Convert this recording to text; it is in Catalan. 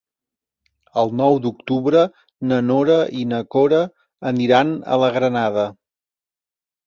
El nou d'octubre na Nora i na Cora aniran a la Granada.